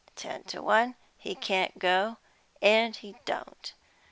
Ten to one he can't go, and he don't.